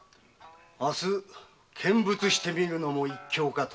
明日見物してみるのも一興かと。